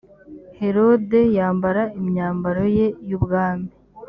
herode yambara imyambaro ye y ubwami